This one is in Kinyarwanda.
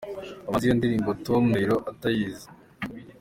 Ubanze iyo ndirimbo Tom Ndahiro atayizi.